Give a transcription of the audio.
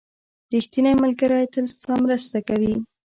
• ریښتینی ملګری تل ستا مرسته کوي.